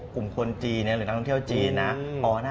กลุ่มคนจีนหรือนักท่องเที่ยวจีนนะ